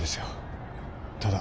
ただ。